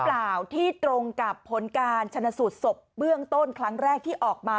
เปล่าที่ตรงกับผลการชนะสูตรศพเบื้องต้นครั้งแรกที่ออกมา